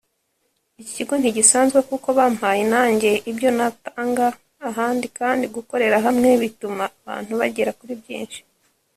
iki kigo ntigisanzwe kuko bampaye nanjye ibyo natanga ahandi kandi gukorera hamwe bituma abantu bagera kuri byinshi